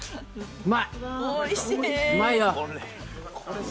うまいな！